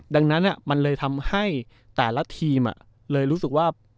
ดังนั้นมันเลยทำให้แต่ละทีมเลยรู้สึกว่า